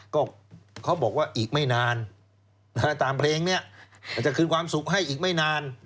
ก็เขาบอกว่าอีกไม่นานตามเพลงนี้มันจะคืนความสุขให้อีกไม่นาน